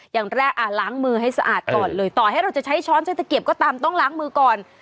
อย่างแรกล้างมือให้สะอาดก่อนเลยต่อให้เราจะใช้ช้อนใช้ตะเกียบก็ตามต้องล้างมือก่อน